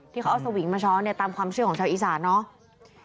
ที่เขาเอาสวิงมาช้อนเนี่ยตามความเชื่อของชาวอีสานเนาะ